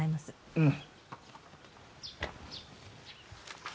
うん。